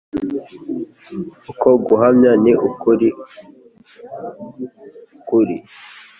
Uko guhamya ni uk’ukuri